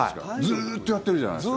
ずっとやってるじゃないですか。